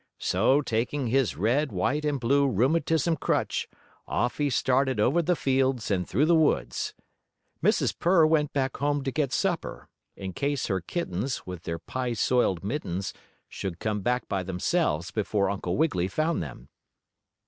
So taking his red, white and blue rheumatism crutch, off he started over the fields and through the woods. Mrs. Purr went back home to get supper, in case her kittens, with their pie soiled mittens, should come back by themselves before Uncle Wiggily found them.